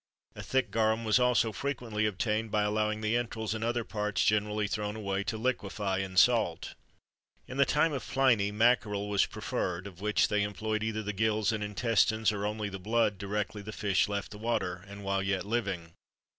[XXIII 21] A thick garum was also frequently obtained, by allowing the entrails and other parts, generally thrown away, to liquefy in salt.[XXIII 22] In the time of Pliny, mackerel[XXIII 23] was preferred, of which they employed either the gills and intestines, or only the blood, directly the fish left the water,[XXIII 24] and while yet living.